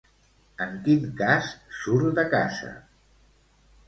En quin cas surt de casa?